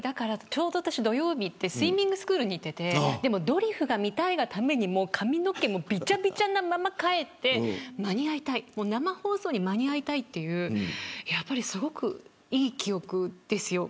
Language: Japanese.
ちょうど土曜日スイミングスクールに行っててドリフが見たいがために髪の毛もびちゃびちゃのまま帰って生放送に間に合いたいというやっぱりすごくいい記憶ですよ。